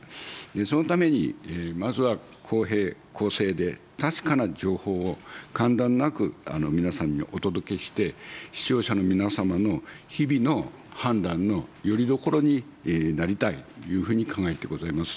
そのためにまずは公平、公正で確かな情報を間断なく皆さんにお届けして、視聴者の皆様の日々の判断のよりどころになりたいというふうに考えてございます。